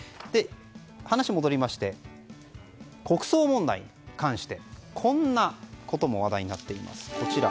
話戻りまして、国葬問題に関してこんなことも話題になっています。